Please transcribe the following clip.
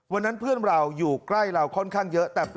วันนั้นเพื่อนเราอยู่ใกล้เราค่อนข้างเยอะ